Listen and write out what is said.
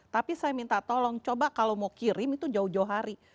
tapi saya minta tolong coba kalau mau kirim itu jauh jauh hari